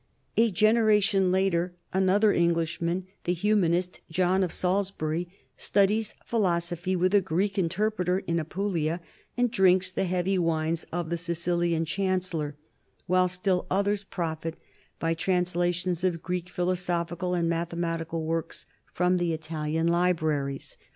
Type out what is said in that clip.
A generation later, another Englishman, the humanist John of Salisbury, studies philosophy with a Greek interpreter in Apulia and drinks the heavy wines of the Sicilian chancellor; while still others profit by translations of Greek philosophical and mathe matical works from the Italian libraries.